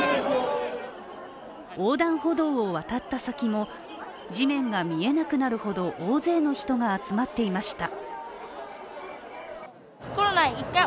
横断歩道を渡った先も、地面が見えなくなるほど大勢の人が集まっていました。